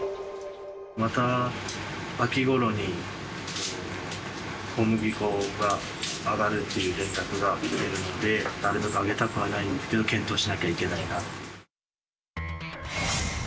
また秋ごろに小麦粉が上がるっていう連絡が来てるので、なるべく上げたくはないんですけど、検討しなきゃいけないなって。